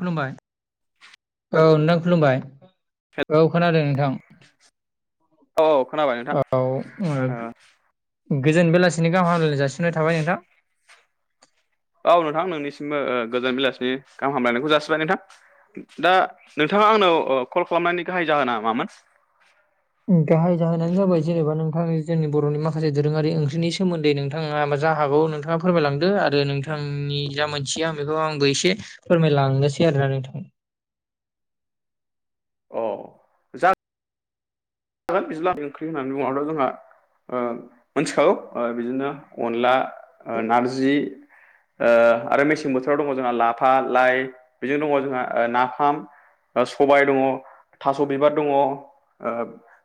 खुलुमबाय औ नोंथां खुलुमबाय हेल औ खोनादों नोंथां। औ खोनाबाय नोंथां औ ओ [unintelligible] गोजोन बेलासिनि गाहाम हामलायनाय जासिनाय थाबाय नोंथां। औ नोंथां नोंनिसिमबो ओ गोजान बेलासिनि गाहाम हामलायनायखौ जासिबाय नोंथां। दा नोंथाङा आंनाव ओ कल खालामनायनि गाहाय जाहोना मामोन? गाहाय जाहोनानो जाबाय जेनेबा नोंथाङा जोंनि बर'नि माखासे दोरोङारि ओंख्रिनि सोमोन्दै नोंथाङा मा जा हागौ नों थाङा फोरमायलांदो आरो नोंथांनि जा मोनथिया आं बेखौ आंबो एसे फोरमायलांनोसै आरोना नोंथां। अ जा [unintelligible] बिज्लानि ओंख्रि होननानै बुङोबाथ जोंहा ओ मोनथिखागौ ओ बिदिनो अनला नारजि ओ आरो मेसें बोथोराव दङ जोंहा लाफा लाइ बेजों दङ जोंहा नाफाम सबाय दङ थास' बिबार दङ ओ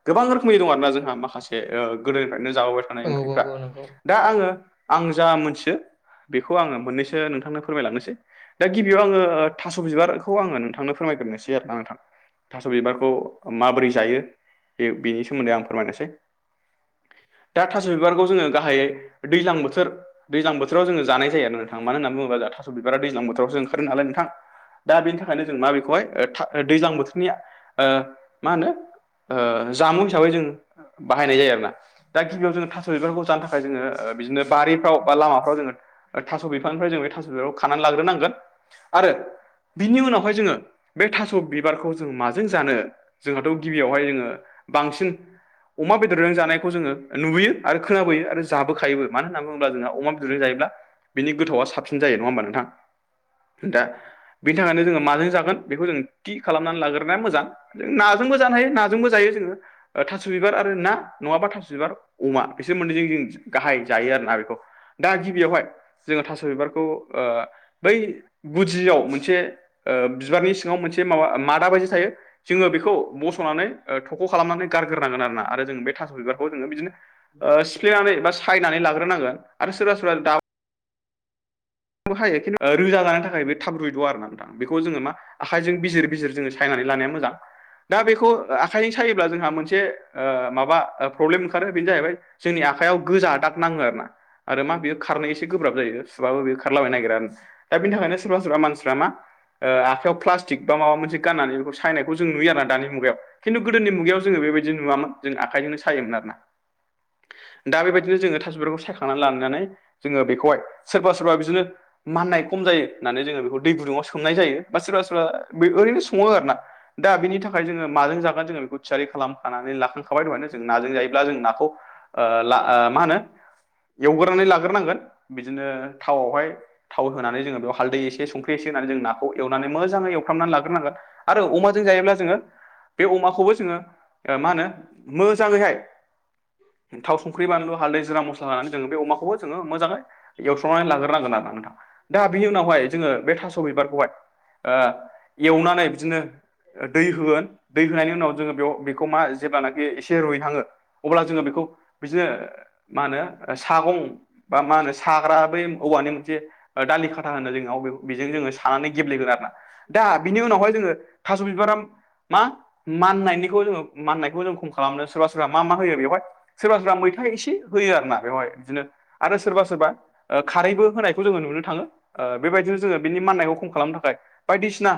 गोबां रोखोमनि दं आरो ना जोंहा माखासे ओ गोदोनिफ्रायनो जाबोबाय थानाय औ औ ओंख्रिफ्रा। औ नंगौ दा आङो आं जा मोनथियो बेखौ आङो मोननैसो नोंथांनो फोरमायलांनोसै। दा गिबियाव आङो थास' बिबारखौ आङो नोंथांनो फोरमायग्रोनोसै आरोना नोंथां। थास' बिबारखौ माबोरै जायो। बे बेनि सोमोन्दै आं फोरमायनोसै। दा थास' बिबारखौ जोङो गाहायै दैज्लां बोथोर दैज्लां बोथोराव जोङो जानाय जायो आरो ना नोंथां मानो होनना बुङोबा जोंहा थास' बिबारा दैज्लां बोथोरावसो ओंखारो नालाय नोंथां। दा बेनि थाखायनो जों मा बेखौहाय ओ दैज्लां बोथोरनि ओ मा होनो ओ जामुं हिसाबै जों बाहायनाय जायो आरो ना। दा गिबियाव जोङो थास' बिबारखौ जानो थाखाय जोङो ओ बिदिनो बारिफ्राव बा लामाफ्राव जोङो थास' बिफांनिफ्राय जों बे थास' बिबारखौ खानानै लाग्रोनांगोन आरो बिनि उनावहाय जोङो बे थास' बिबारखौ जों माजों जानो जोंहाथ' गिबियावहाय जोङो ओ बांसिन अमा बेदरजों जानायखौ जोङो नुबोयो आरो खोनाबोयो आरो जाबोखायोबो मानो होनना बुङोब्ला जोंहा अमा जायोब्ला बिनि गोथावआ साबसिन जायो नङा होमबा नोंथां दा बिनि थाखायनो जों माजों जागोन बेखौ जों थि खालामनानै लाग्रोनाया मोजां जों नाजोंबो जानो हायो नाजोंबो जायो जोङो थास' बिबार आरो ना नङाबा थास' बिबार अमा बिसोर मोन्नैजों जों गाहाय जायो आरोना बेखौ। दा गिबियावहाय जोङो थास' बिबारखौ ओ बै गुदियाव मो मोनसे ओ बिबारनि सिङाव मोनसे माबा मादा बादि थायो जोङो बेखौ बस'नानै ओ थख' खालामनानै गारग्रोनांगोन आरोना आरो जों बे थास' बिबारखौ जोङो बिदिनो ओ सिफ्लेनानै बा सायनानै लाग्रोनांगोन आरो सोरबा सोरबा हायो खिन्थु रोजा‌ जानायनि थाखाय बे थाब रुयद आ आरो नोंथां बेखौ जोङो मा आखाइजों बिजिर बिजिर जोङो सायनानै लानाया मोजां दा बेखौ आखाइजों सायोब्ला जोंहा मोनसे माबा प्रब्लेम ओंखारो बेनो जाहैबाय जोंनि आखायाव गोजा दाग नाङो आरो ना आरो मा बेयो खारनो एसे गोब्राब जायो सुबाबो बे खा खारलाबाय नो नागिरा दा बिनि थाखायनो सोरबा सोरबा मानसिफ्रा मा ओ आखायाव प्लास्टिक बा माबा मोनसे गाननानै बेखौ सायनायखौ जों नुयो आरोना दानि मुगायाव। खिन्थु गोदोनि मुगायाव जोङो बेबायदि नुवामोन जों आखायजोंनो सायोमोन आरो ना। दा बेबायदिनो जोङो थास बिखौ सायखांनानै लांनानै जोङो बेखौहाय सोरबा सोरबा बिदिनो माननाय खम जायो होननानै जोङो बेखौ दै गुदुङाव सोमनाय जायो बा सोरबा सोरबा बे ओरैनो सङो आरो ना। दा बिनि थाखाय जोङो माजों जागोन जोङो बेखौ थियारि खालामखानानै लाखांखाबाय थं जों नाजों जायोब्ला जों नाखौ ओ ला मा होनो एवगोरनानै लाग्रोनांगोन बिदिनो थावआवहाय थाव होनानै जोङो बेयाव हालदै एसे संख्रि एसे होनानै जों नाखौ एवनानै मोजाङै एवफ्रामनानै लाग्रोनांगोन आरो अमाजों जायोब्ला जोङो बे अमाखौबो जोङो मा होनो मोजाङैहाय थाव संख्रि बानलु हालदै जिरा मस्ला होनानै जोङो बे अमखौबो जो मोजाङै एव लाग्रोनांगोन आरोना नोंथां दा बिनि उनावहाय जोङो बे थास बिबारखौहाय ओ एवनानै बिदिनो दै होगोन दै होनायनि उनाव जोङो बेयाव बे खौ मा जेब्लानखि एसे रुइहाङो अब्ला जोङो बेखौ बिदिनो मा होनो सागं बा मा होनो साग्रा बै औवानि मोनसे ओ दालि खाथा होनो जों बे बिजों जोङो सानानानै गेब्लेहोगोन आरोना दा बिनि उनावहाय जोङो थास' बिबारा मा माननायनिखौ जोङो माननायखौ जों खम खालामदों सोरबा सोरबा मा मा होयो बेवहाय? सोरबा सोरबा मैथा एसे होयो आरोना बेवहाय बिदिनो आरो सोरबा सोरबा ओ खारैबो होनायखौ जोङो नुनो थाङो बेबायदिनो जोङो बिनि माननायखौ खम खालामनो थाखाय बायदिसिना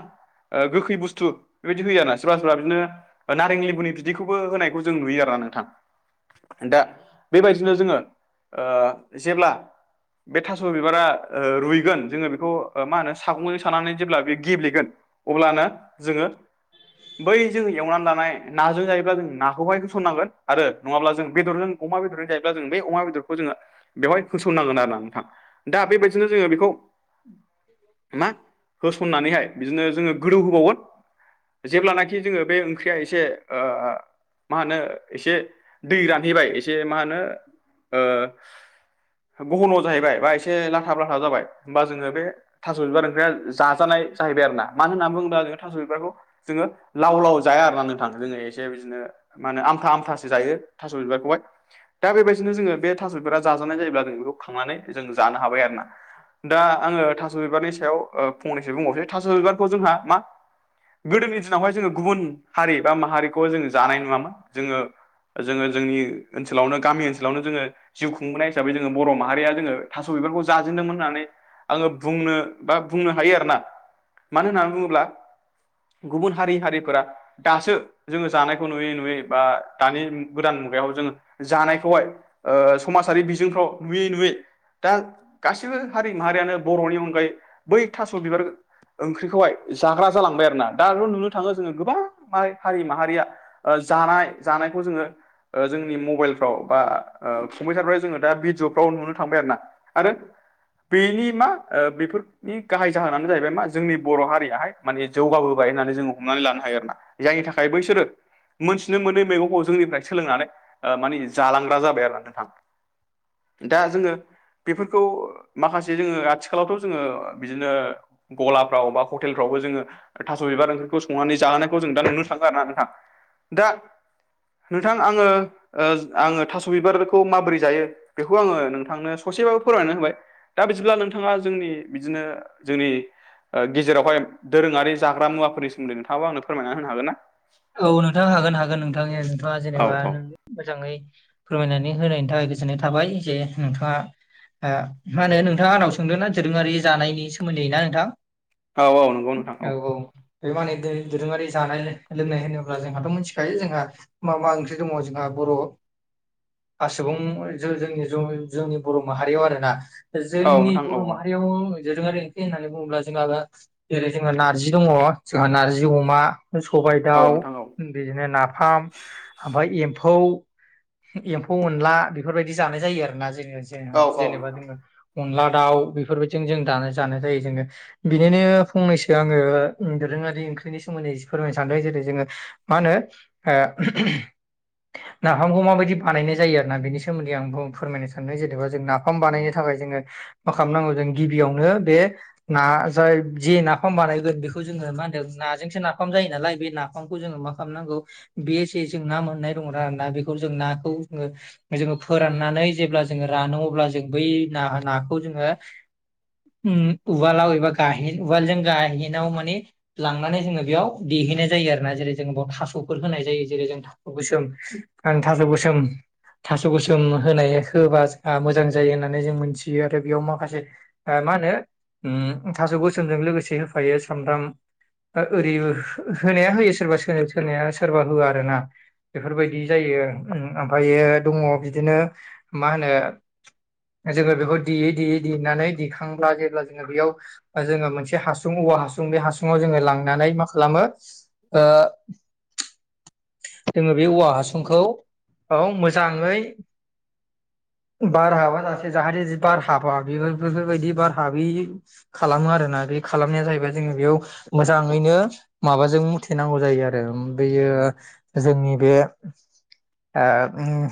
ओ गोखै बुस्थु बेबायदि होयो आरो ना सोरबा सोरबा बिदिनो ओ नारें लेबुनि बिदैखौबो होनायखौ जों नुयो आरोना नोंथां दा बेबायदिनो ओ जोङो जेब्ला बे थास' बिबारा रुइगोन जोङो बेखौ मा होनो सागंजों सानानै जेब्ला बे गेब्लेगोन अब्लानो जोङो बै जों एवनानै लानाय नाजों जायोब्ला जों नाखौहाय होसननांगोन आरो नङाब्ला जों बेदरजों अमा बेदजों जायोब्ला जों बे अमा बेदरखौ जोङो बेवहाय होसनांगोन आरो ना नोंथां दा बेबायदिनो जोङो बेखौ मा होसननानैहाय बिदिनो जोङो गोदौ होबावगोन जेब्लानाखि जोङो बे ओं ओंख्रिया एसे ओ मा होनो एसे दै रानहैबाय एसे मा होनो ओ गहल' जाहैबाय बा एसे लाथाब लाथाब जाबाय होमबा जोङो बे थास' बिबार ओंख्रिया जाजानाय जाहैबाय आरो ना मानो होन्ना बुङोबा जोङो थास' बिबारखौ जोङो लाव लाव जाया आर ना नों थाङो जोङो एसे बिदिनो मानो आमथा आमथासो जायो थास' बिबारखौहाय दा बेबायदिनो जोङो बे थास' बिबारा जाजानाय जायोब्ला जों बेखौ खांनानै जों जानो हाबाय आरो ना दा आङो थास' बिबारनि सायाव ओ फंनैसो बुंबावसै थास' बिबारखौ जोंहा मा? गोदोनि दिनावहाय जोङो गुबुन हारि बा माहारिखौ जोङो जानाय नुवामोन जोङो जोङो जोंनि ओनसोलावनो गामि ओनसोलावनो जोङो जिउ खुंबोनाय हिसाबै जोङो बर' माहारिया जोङो थास' बिबारखौ जाजेनदोंमोन होननानै आङो बुंनो बा बुंनो हायो आरोना मानो होननानै बुङोब्ला गुबुन हारि हारिफोरा दासो जोंङो जानायखौ नुयै नुयै बा दानि गोदान मुगायाव जोंङो जानायखौहाय समाजारि बिजोंफ्राव नुयै नुयै दा गबां हारि माहारियानो बर'नि अनगायै बै थास' बिबार ओंख्रिखौहाय जाग्रा जालांबाय आरो ना। दाल' नुनो थांङो जोंङो गोबां माहारि माहारिया जानाय जानायखौ जोंङो जोंनि मबाइलफ्राव बा कम्पिउटारफ्राव जोंङो दा भिडिअ फ्राव नुनो थांबाय आरो ना आरो बेनि मा बेफोर नि गाहाय जाहोनानो जाहैबाय मा जोंनि बर' हारियाहाय माने जौगाबोबाय होननानै जोंङो हमनानै लानो हायो आरो ना। जायनि थाखाय बैसोरो मोनथिनो मोननै मैगंखौ जोंनिफ्राय सोलोंनानै मानि जालांग्रा जाबाय आरो ना नोंथां दा जोङो बेफोरखौ माखासे जोङो आथिखालावथ' जोङो बिदिनो गलाफ्राव बा हटेलफ्रावबो जोङो थास' बिबार ओंख्रिखौ संनानै जाहोनायखौ जों दा नुनो थांङो आरो ना नोंथां दा नोंथां आङो ओ आङो थास' बिबारखौ माबोरै जायो? बेखौ आङो नोंथांनो ससेबाबो फोरमनानै होबाय दा बिदिब्ला नोंथाङा जोंनि बिदिनो जोंनि ओ गेजेरावहाय दोरोङारि जाग्रा मुवाफोरनि सोमोन्दै नोंथाङाबा आंनो फोरमायनानै होनो हागोन ना? औ नोंथांङा हागोन हागोन नोंथांनिया बा औ जेनेबा औ मोजांङै फोरमायनानै होनायनि थाखाय गोजोननाय थाबाय जे नोंथांङा। मा होनो नोंथाङा आंनाव सोंदों नना दोरोंङारि जानायनि सोमोन्दै ना नोंथां? औ औ नंगौ नोंथां औ औ बे माने दोरोंङारि जानाय लोंनाय होनोब्ला जोंहाथ' मिथिखायो जोंहा मा मा ओंख्रि दंङ जोंहा बर' सुबुं जों जोंनि जोंनि बर' माहारियाव आरो ना। औ जोंनि नोंथां बर' औ माहारियाव दोरोंङारि ओंख्रि होननानै बुङोब्ला जोंहा जेरै जोंहा नार्जि दंङ जोंहा नार्जि अमा सबाय औ दाउ नोंथां औ बिदिनो नाफाम ओमफ्राय एम्फौ एम्फौ अनला बेफोरबायदि जानाय जायो आरो ना [unintelligible] औ औ जेनेबा नोंथां जोंङो अनला दाउ बेफोरबायदिजों जों दानो जानाय जायो जोंङो बिनिनो फंनैसो आङो दोरोङारि ओंख्रिनि सोमोन्दै? फोरमायनो सानदों जेरै जोंङो मा होनो ओ नाफामखौ माबायदि बानायनाय जायो आरो ना बेनि सोमोन्दै आं फोरमायनो सानदों जेनेबा जों नाफाम बानायनो थाखाय जोंङो मा खालामनांगौ जों गिबियावनो बे ना जाय जे नाफाम बानायगोन बेखौ जोंङो मा होनदों नाजोंसो नाफाम जायो नालाय बे नाफामखौ जोंङो मा खालामनांगौ बे जे जों ना मोननाय दंङ आरो ना बेखौ जों नाखौ जोोङो। जोंङो फोराननानै जेब्ला जोंङो रानो अब्ला जों बै ना नाखौ जोंङो उम उवालाव एबा गाहेन उवालजों गाहेनाव माने लांनानै जोंङो बेयाव देहोयनाय जायो आरो ना। जेरै जों बाव थास'फोर होनाय जायो जेरै जों थास' गोसोम ओं थास' गोसोम थास' गोसोम होनाय होबा मोजां जायो होननानै जों मोनथियो आरो बेयाव माखासे मा होनो उम थास' गोसोमजों लोगोसे होफायो सामब्राम ओरै होनाया होयो सोरबा सोरबा सोरा सोरबा होआ आरो ना बेफोरबायदि जायो ओमफ्रायो दंङ बिदिनो मा होनो जोंङो बेखौ देयै देयै देनानै दिेखांब्ला जेब्ला जोंङो बेयाव जोंङो मोनसे हासुं औवा हासुं बे हासुुङाव जोंङो लांनानै मा खालामो ओ जोंङो बे औवा हासुंखौ मोजाङैय बार हाबा जासे जाहाथे बार हाबा बे बेफोरबायदि बार हाबै खालामो आरोना बे खालामनाया जाहैबाय जोंङो बेयाव मोजाङैनो माबाजों मुथेेनांगौ जायो आरो बेयो। जोंनि बे ओ उम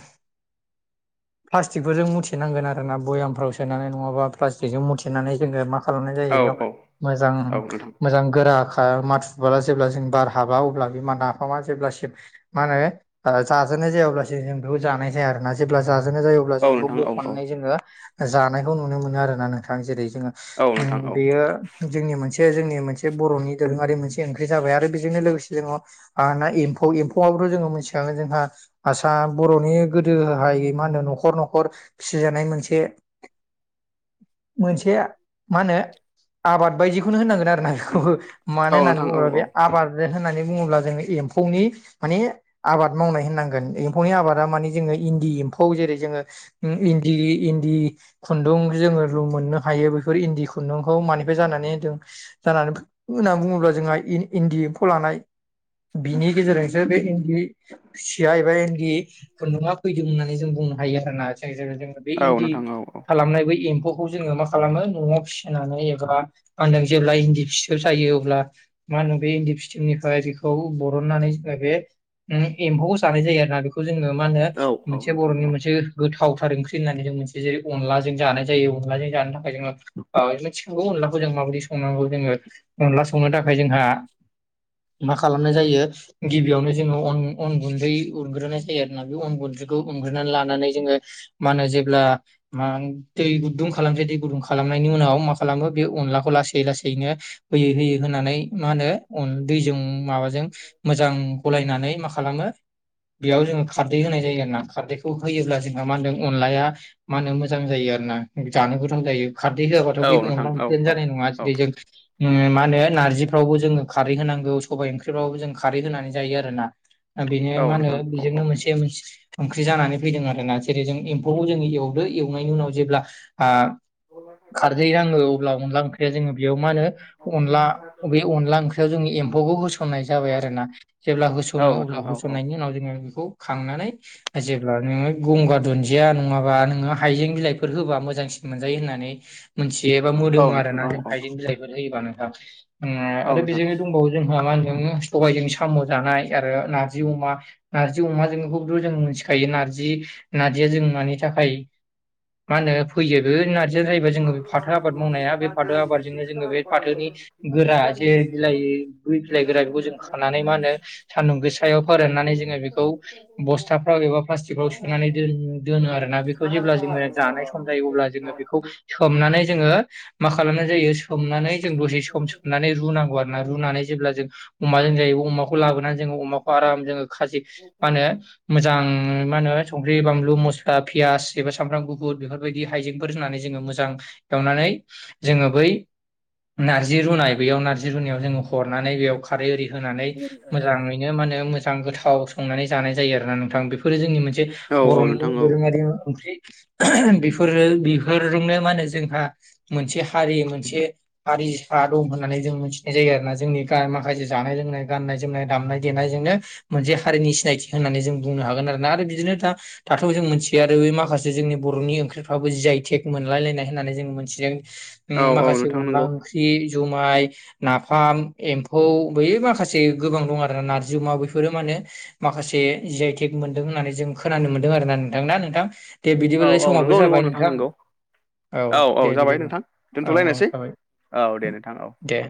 प्लास्टिकफोरजों मुथिनांगोन आरोना भयामफ्राव सोनानै नंङाबा प्लास्टिकजों मुथेनानै जोंङो मा खालामनाय औ जायो बेयाव मोजां औ नोंथां मोजां गोरा माथु जेब्ला जों बार हाबा अब्ला बि नाफामा जेब्लासिम मा होनो ओ जाजानाय जाया अब्लासिम जों बेखौ जानाय जाया आरोना जेब्ला जाजेननाय जायो अब्ला औ जों बेखौ नोंथां औ बख'नानै जोङो जानायखौ नुनो मोनो आरो ना नोंथां जेरै जोङो औ उम नोंथां औ बियो जोंनि मोनसे जोंनि मोनसे बर'नि दोरोङारि मोनसे ओंख्रि जाबाय आरो बेजोंनो लोगोसे जोङो आरो ना एम्फौ एम्फौआबोथ' जोङो मिथिखागौ जोंहा आसा बर'नि गोदोहाय मा होनो न'खर न'खर फिसिजानाय मोनसे मोनसे मा होनो आबाद बायदिखौनो होनांगोन आरो ना बेखौबो मानो औ होननानै नोंथां औ बुंङोब्ला बे आबाद होननानै बुंङोब्ला जोंङो एम्फौनि माने आबाद मावनाय होननांगोन। एम्फौनि आबादा माने जोंङो इन्दि एम्फौ जेरै जोंङो उम इन्दि इन्दि खुन्दुं जोंङो मोननो हायो बेफोर इन्दि खुन्दुंखौ मानिफ्राय जानानै दों। जानानै होननानै बुंङोब्ला जोंहा इन्दि एम्फौ लानाय बिनि गेजेरजोंसो बे इन्दि सिया एबा इन्दि खुन्दुङा फैदों होननानै जों बुंनो हायो आरो ना जोङो बे औ इन्दि नोंथां औ खालामनाय ब एम्फौ बेखौ जोङो मा खालामो न'आव फिसिनानै एबा मा होनदों जेब्ला इन्दि फिसोब सायो अब्ला मा होनो बे इन्दि फिटिमनिफ्राय बेखौ बरननानै जोङो बे एम्फौखौ जानाय जायो आरोोना बेखौ जोङो मा होनो औ औ मोनसे बर'नि नोंथां मोनसे गोथावथार ओंख्रि होननानै जों मोनसे जेरै अनलाजों जानाय जायो अनलाजों जानो थाखाय जों औथिखांगौ अनलाखौ जों माबायदि संनांगौ जोङो अनला संनो थाखाय जोंहा मा खालामनाय जायो गिबियावनो जोङोन अन गुन्दै उनग्रोनाय जायो आरोोना बे अन गुन्दैखौ खौ उग्रोननानै लानानै जोङो मा होनो जेब्ला मा दै गुदुं खालामसै दै गुदुं खालामनायनि उनाव मा खालामो बे अनलाखौ लासै लासैनो होयै होयै होनानै मा होनो दैजों माबाजों मोजां गलायनानै मा खालामो बेयाव जोङो खारदै होनाय जायो आरो ना खारदैखौ होयोब्ला जोंहा मा होनदों अनलाया मा होनो मोजां जायो आरो ना जानो गोथाव जायो खारदै होआबाथ' औ बे अन्ला नोंथां औ ओंख्रियानो जानाय नङा जेरै जों मा होनो नारजिफ्रावबो जोङो खारै होनांगौ सबायाइ ओंख्रिफ्रावबो जों खारै होनानै जायो आरो ना बेनो औ औ मा नोंथां होनो औ बेजोंनो औ मोनसे संख्रि जानानै फैदों आर ना जेरै जों एम्फौखौ जोंङ एवदो एवनायनि उनाव जेब्ला खारदै नङो अब्ला अनला ओंख्रिया जोङो बेयाव मा होनो अनला बे अनला ओंख्रियाव जों एम्फौखौ होसननाय जाबाय आरो ना जेब्ला होस'नो औ अब्ला नोंथां औ औ होसननायनि उनाव जोङो बेखौ खांनानै जेब्ला नोङो गंगार दुन्दिया नङाबा नोङो हायजें बिलाइफोर होबा मोजांसिन मोनजायो होननानै मोनथिबा औ मोदोमो नोंथां आरोना औ जों औ हाइजें बिलाइफोर होयोबा नोंथां औ आरो नोंथां बेजोंनो दंबावो जोंहा मा होनदों सबायजों साम' जानाय आरो नारजि अमा नारजि अमाजोंखौथ' जों मोन खायो नारजि नारजिया जों मानि थाखाय मा होनो फैयो बेरजि जाहैबाय जोङो बे फाथो आबाद मावनाया बे फाथो आबादजोंनो जोङो बे फाथोनि गोरा जे बिलाइ गुइ फिलाय गोरा बेखौ जों खानानै मा होनो सान्दुं गोसायाव फोराननानै जोङो बेखौ बस्था फाव एबा प्लास्टिकफ्राव सोनानै दोनो आरोना बेखौ जेब्ला जोङो जानाय सम जायो अब्ला जोङो बेखौ सोमनानै जोङो मा खालामनाय जायो सोमनानै जों दसे सम सोबनानै रुनांगौ आरो ना रुनानै जेब्ला जों अमाजों जायोै अमाखौ लाबोनानै जोङो अमाखौ आराम जोङो खााजि मा होनो मोजां मा होनो संख्रि बानलु मस्ला पियस एबा सामब्राम गुफुर बेफोरबायदि हाइजेंफोर होननानै जोङो मोजां एवनानै जोङो बै नारजि रुनाय बेयाव नारजि रुनायाव जोङो हरनानै बेयाव खारै एरि होनानै मोजाङैनो माने मोजां गोथाव संनानै जानाय जायो आरो मानोना नोंथां बेफोरो जोंनि मोनसे औ औ नोंथां बर'नि औ दोरोङारि ओंख्रि बेफोरो बेफोरजोंनो मा होनो जोंहा मोनसे हारि मोनसे हारिफ्रा दं होन्नानै जों मोनथिनाय जायो आरोना जोंनि माखासे जानाय लोंनाय गान्नाय-जोमनाय दामनाय-देनायजोंनो मोनसे हारिनि सिनायथि होननानै जों बुंनो हागोन आरोना आरो बिदिनो दा दाथ' जों मिथियो आरो बे माखासे जोंनि बर'नि ओंख्रिफ्राबो जियाय थेग मोनलायलायनाय होननानै जों मोनथियो। उ औ औ माखासे नोंथां अनला नंगौ ओंख्रि जुमाय नाफाम एम्फौ बै माखासे गोबां दं आरोना नारजि अमा बेैफोरो मा होनो माखासे जिइटेक मोनदों होननानै जों खोनानो मोनदों आरोना नोंथां ना नोंथां दे औ बिदिबालाय औ समाबो नंगौ नोंगौ जाबाय नोंथां नोंथांनंगौ औ औ दे जाबाय बिदिबा नोंथां औ औ दोनथ'लायनोसै जाबाय औ दे नोंथां औ दे औ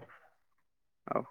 औ